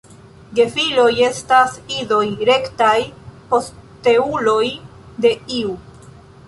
Gefiloj estas idoj, rektaj posteuloj de iu.